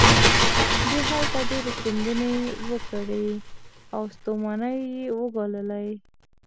دوی هلته ډېرې کيندنې وکړې او ستومانۍ يې وګاللې.